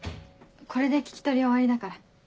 これで聞き取り終わりだから。